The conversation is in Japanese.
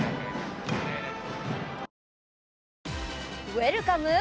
「ウェルカム！」